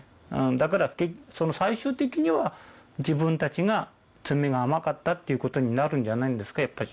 だから最終的には自分たちが詰めが甘かったっていうことになるんじゃないんですかやっぱり。